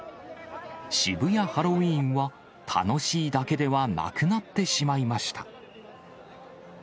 渋谷ハロウィーンは楽しいだけではなくなってしまいました。